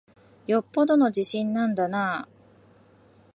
よっぽどの自信なんだなぁ。